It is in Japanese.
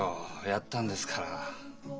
やったんですから。